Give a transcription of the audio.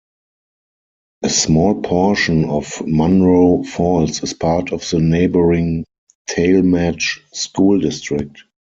A small portion of Munroe Falls is part of the neighboring Tallmadge school district.